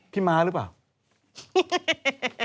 ม้าหรือเปล่า